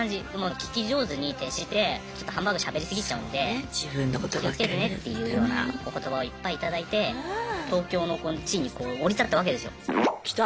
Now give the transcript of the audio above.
聞き上手に徹してちょっとハンバーグしゃべり過ぎちゃうんで気をつけてねっていうようなお言葉をいっぱい頂いて東京の地に降り立ったわけですよ。来た！